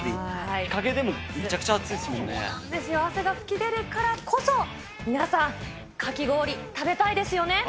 日陰でもめちゃくちゃ暑いでそうなんですよ、汗が噴き出るからこそ、皆さん、かき氷、食べたいですよね。